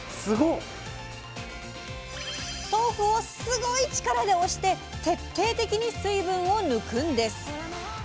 豆腐をすごい力で押して徹底的に水分を抜くんです！